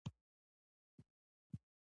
کورني کورسونه په پټه او ښکاره جوړ شوي وو